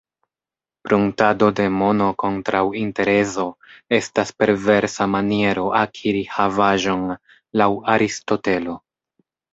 Pruntado de mono kontraŭ interezo estas perversa maniero akiri havaĵon, laŭ Aristotelo.